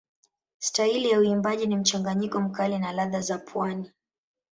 Staili ya uimbaji ni mchanganyiko mkali na ladha za pwani.